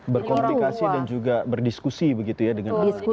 berkomunikasi dan juga berdiskusi begitu ya dengan orang tua